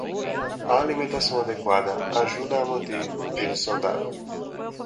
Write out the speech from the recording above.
A alimentação adequada ajuda a manter um peso saudável.